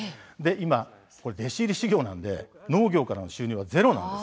今は弟子入り修業なので農業の収入はゼロなんです。